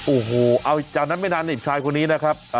โอ้โหเอาจากนั้นไม่นานนี่ชายคนนี้นะครับ